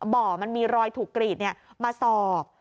บ่อมันมีรอยถูกกรีดมาสอบ